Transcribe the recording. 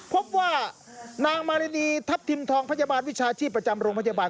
พบว่านางมารินีทัพทิมทองพยาบาลวิชาชีพประจำโรงพยาบาล